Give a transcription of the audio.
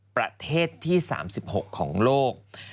ประเทศที่๓๖ของโลก